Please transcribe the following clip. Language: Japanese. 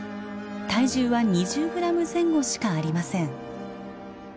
体重は２０グラム前後しかありません。